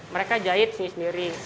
mereka jahit sendiri sendiri